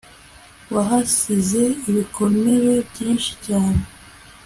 wahasize ibikomere byinshi cyane